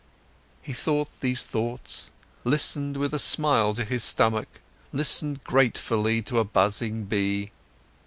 He thought these thoughts, listened with a smile to his stomach, listened gratefully to a buzzing bee.